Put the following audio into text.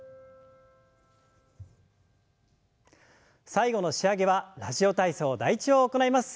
最後の仕上げは「ラジオ体操第１」を行います。